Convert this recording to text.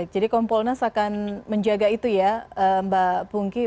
jadi komponens akan menjaga itu ya mbak punggih